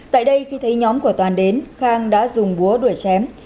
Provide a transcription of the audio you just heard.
tại đây khi thấy nhóm của toàn đến khang đã dùng búa đuổi chém